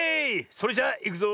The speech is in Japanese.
それじゃいくぞ。